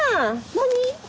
何？